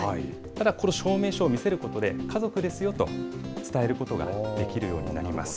ただ、この証明書を見せることで、家族ですよと伝えることができるようになります。